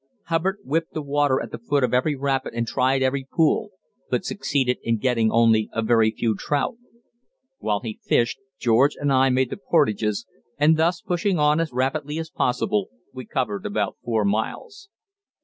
Hubbard whipped the water at the foot of every rapid and tried every pool, but succeeded in getting only a very few trout. While he fished, George and I made the portages, and thus, pushing on as rapidly as possible, we covered about four miles.